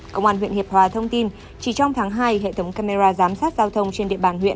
công an huyện hiệp hòa thông tin chỉ trong tháng hai hệ thống camera giám sát giao thông trên địa bàn huyện